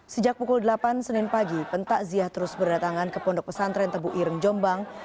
sejak pukul delapan senin pagi pentakziah terus berdatangan ke pondok pesantren tebu ireng jombang